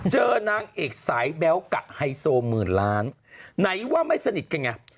นางเอกสายแบ๊วกะไฮโซหมื่นล้านไหนว่าไม่สนิทกันไง